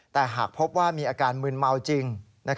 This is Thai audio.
แต่หากพบว่ามีอาการมืนเมาจริง